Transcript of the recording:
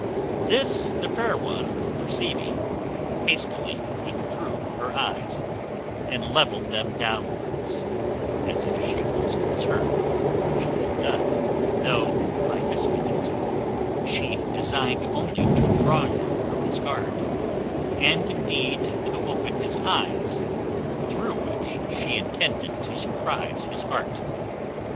This the fair one perceiving, hastily withdrew her eyes, and levelled them downwards, as if she was concerned for what she had done; though by this means she designed only to draw him from his guard, and indeed to open his eyes, through which she intended to surprize his heart.